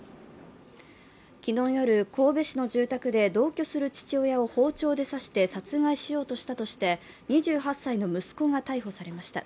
昨日夜、神戸市の住宅で同居する父親を包丁で刺して殺害しようとしたとして２８歳の息子が逮捕されました。